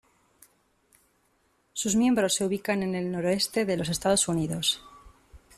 Sus miembros se ubican en el noroeste de los Estados Unidos.